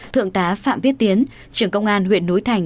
thượng tá phạm viết tiến trưởng công an huyện núi thành